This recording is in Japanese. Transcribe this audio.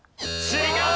違う！